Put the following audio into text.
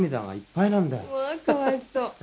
「うわーかわいそう」